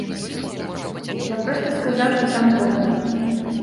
Я проста сказаў, што там бомба.